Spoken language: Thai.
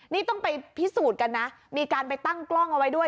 นี่ต้องไปพิสูจน์กันนะมีการไปตั้งกล้องเอาไว้ด้วย